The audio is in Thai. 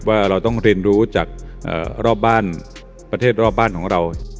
ว่าเราต้องเรียนรู้จากรอบบ้านประเทศรอบบ้านของเรา